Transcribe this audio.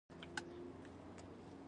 پر روسانو دوستي باندې حساب کوي.